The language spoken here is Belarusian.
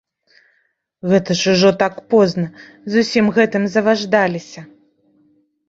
Гэта ж ужо так позна, з усім гэтым заваждаліся.